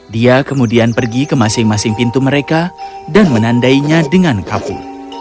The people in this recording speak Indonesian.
dia kemudian pergi ke masing masing pintu mereka dan menandainya dengan kapu